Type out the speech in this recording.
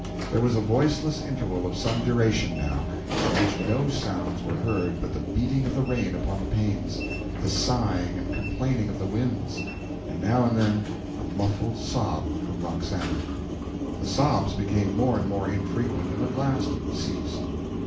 There was a voiceless interval of some duration, now, in which no sounds were heard but the beating of the rain upon the panes, the sighing and complaining of the winds, and now and then a muffled sob from Roxana. The sobs became more and more infrequent, and at last ceased.